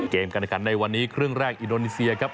เกมกันกันในวันนี้เครื่องแรกอิดโนนิเซียครับ